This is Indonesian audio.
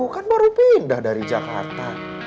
kan baru pindah dari jakarta